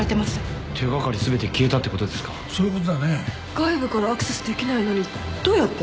外部からアクセスできないのにどうやって？